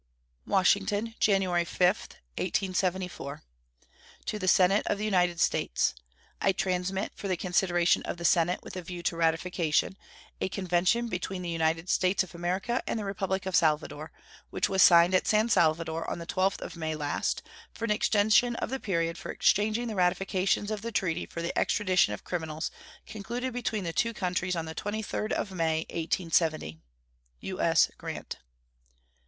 WASHINGTON, January 5, 1874. To the Senate of the United States: I transmit, for the consideration of the Senate with a view to ratification, a convention between the United States of America and the Republic of Salvador, which was signed at San Salvador on the 12th of May last, for an extension of the period for exchanging the ratifications of the treaty for the extradition of criminals concluded between the two countries on the 23d of May, 1870. U.S. GRANT.